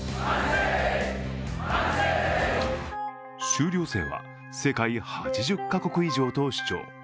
修了生は世界８０か国以上と主張。